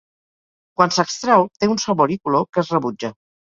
Quan s'extrau té un sabor i color que es rebutja.